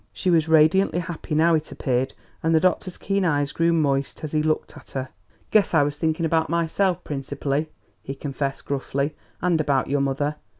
She was radiantly happy now, it appeared, and the doctor's keen eyes grew moist as he looked at her. "Guess I was thinking about myself principally," he confessed gruffly, "and about your mother.